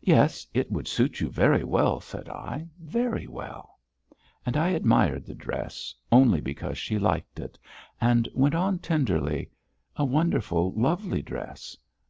"Yes, it would suit you very well," said I. "Very well." And I admired the dress, only because she liked it, and went on tenderly: "A wonderful, lovely dress!